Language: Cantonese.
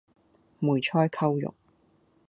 梅菜扣肉